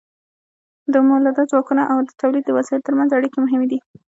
د مؤلده ځواکونو او د تولید د وسایلو ترمنځ اړیکې مهمې دي.